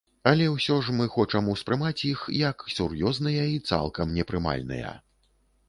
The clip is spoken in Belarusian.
Але ўсё ж мы хочам ўспрымаць іх як сур'ёзныя і цалкам непрымальныя.